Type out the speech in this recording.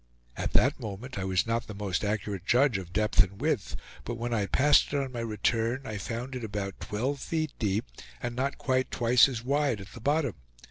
At that moment I was not the most accurate judge of depth and width, but when I passed it on my return, I found it about twelve feet deep and not quite twice as wide at the bottom.